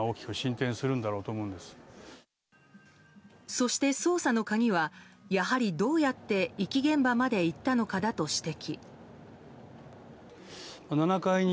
そして、捜査の鍵はやはり、どうやって遺棄現場まで行ったのかだと指摘。